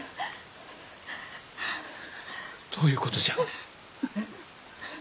どういうことじゃ？